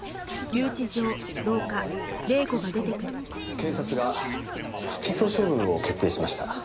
検察が不起訴処分を決定しました。